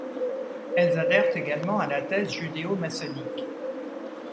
Elles adhèrent également à la thèse judéo-maçonnique.